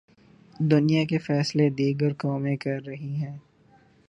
دنیا کے فیصلے دیگر قومیں کررہی ہیں۔